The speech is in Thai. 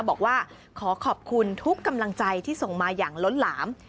บอกว่าขอขอบคุณทุกกำลังใจที่ส่งมาอย่างล้นหลาม